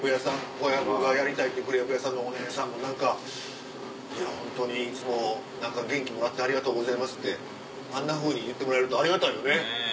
小籔がやりたいってクレープ屋さんのお姉さんも「ホントにいつも元気もらってありがとうございます」ってあんなふうに言ってもらえるとありがたいよね。